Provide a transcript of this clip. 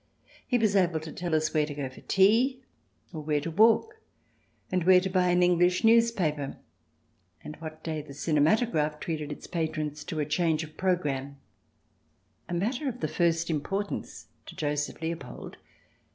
He was able to tell us where to go for tea, or where to walk, and where to buy an English newspaper, and what day the cinematograph treated its patrons to a change of programme, a matter of the first impor tance to Joseph Leopold.